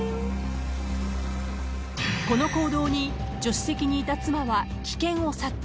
［この行動に助手席にいた妻は危険を察知］